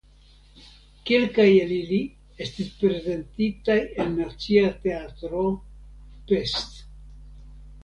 Kelkaj el ili estis prezentitaj en Nacia Teatro (Pest).